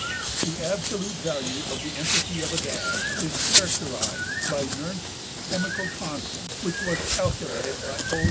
The absolute value of the entropy of a gas is characterized by Nernst's chemical constant, which was calculated by O.